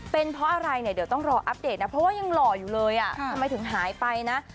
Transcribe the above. เป็นเพราะอะไรเนี่ยเดี๋ยวต้องรออัปเดตนะเพราะว่ายังหล่ออยู่เลยอ่ะทำไมถึงหายไปนะ